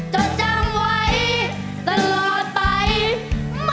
จดจำไว้ตลอดไปไม่ทิ้งกัน